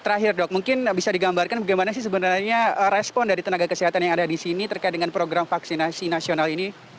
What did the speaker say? terakhir dok mungkin bisa digambarkan bagaimana sih sebenarnya respon dari tenaga kesehatan yang ada di sini terkait dengan program vaksinasi nasional ini